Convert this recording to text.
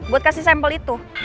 buat kasih sampel itu